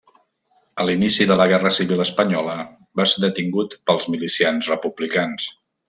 A l'inici de la Guerra Civil Espanyola va ser detingut pels milicians republicans.